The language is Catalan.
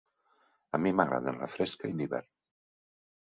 A mi m'agraden la fresca i l'hivern.